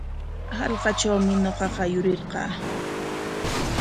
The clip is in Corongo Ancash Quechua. Hallqatrawmi ñuqaqa yurirqaa.